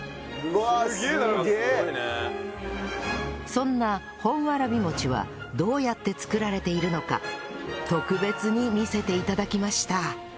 そんな本わらびもちはどうやって作られているのか特別に見せて頂きました